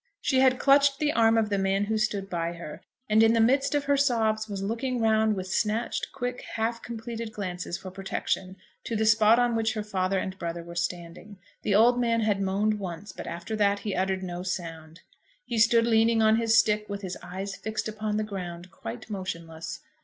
She had clutched the arm of the man who stood by her, and in the midst of her sobs was looking round with snatched, quick, half completed glances for protection to the spot on which her father and brother were standing. The old man had moaned once; but after that he uttered no sound. He stood leaning on his stick with his eyes fixed upon the ground, quite motionless.